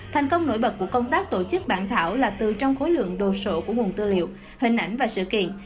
thành công nổi bật của công tác tổ chức bản thảo là từ trong khối lượng đồ sổ của nguồn tư liệu hình ảnh và sự kiện